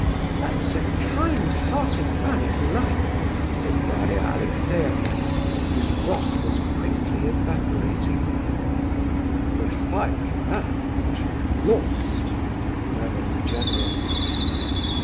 "That's a kind hearted man, if you like," said Daria Alexeyevna, whose wrath was quickly evaporating. "A refined man, but—lost," murmured the general.